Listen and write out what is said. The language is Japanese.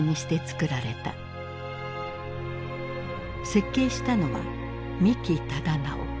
設計したのは三木忠直。